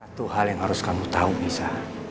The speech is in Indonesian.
satu hal yang harus kamu tau nisa